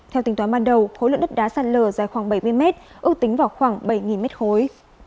theo tính toán ban đầu khối lượng đất đá sạt lở dài khoảng bảy mươi m ưu tính vào khoảng bảy m khối